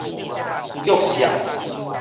腳數